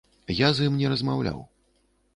Я з ім не размаўляў.